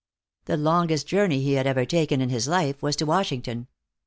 The longest journey he had ever taken in his life was to Washington.